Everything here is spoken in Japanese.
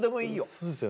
そうですよね。